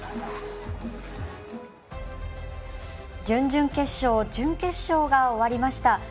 準々決勝、準決勝が終わりました。